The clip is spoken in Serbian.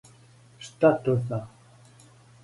Шта то зна?